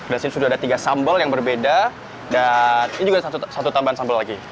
di sini sudah ada tiga sambal yang berbeda dan ini juga satu tambahan sambal lagi